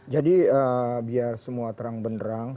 jadi biar semua terang benerang